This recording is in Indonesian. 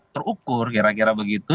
terukur kira kira begitu